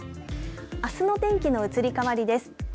あすの天気の移り変わりです。